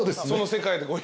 その世界で。